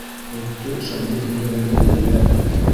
Һөттө шәмбе көндәрендә лә йыя бит.